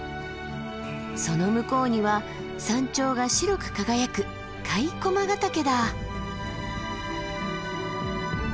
その向こうには山頂が白く輝く甲斐駒ヶ岳だ。